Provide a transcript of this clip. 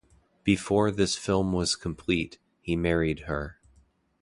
Before this film was complete, he married her.